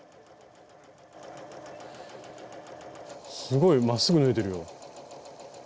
すごいまっすぐ縫えてるよ。